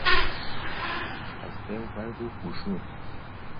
ئەستێ و بەرد و پووشوون